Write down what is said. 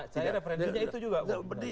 saya referensi itu juga